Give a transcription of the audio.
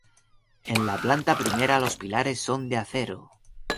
En la planta primera los pilares son de acero.